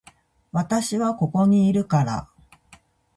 私はここにいるから